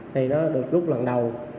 thì nó được gúc lần đầu